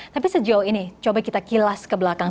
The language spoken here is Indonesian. tapi sejauh ini coba kita kilas ke belakang